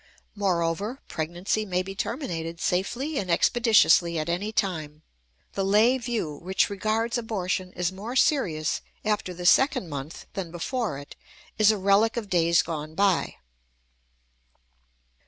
Moreover, pregnancy may be terminated safely and expeditiously at any time; the lay view which regards abortion as more serious after the second month than before it is a relic of days gone by.